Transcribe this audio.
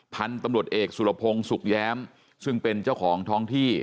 พันธุ์ตำรวจเอกสุรพงศ์สุขแย้มซึ่งเป็นเจ้าของท้องที่